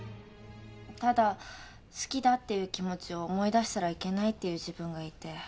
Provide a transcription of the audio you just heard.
ただ好きだっていう気持ちを思い出したらいけないっていう自分がいて。